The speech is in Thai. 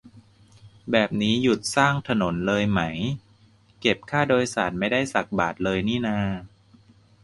แบบนี้หยุดสร้างถนนเลยไหม เก็บค่าโดยสารไม่ได้สักบาทเลยนี่นา